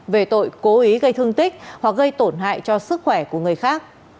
về tội cố ý gây thương tích hoặc gây tổn hại cho sức khỏe của người khác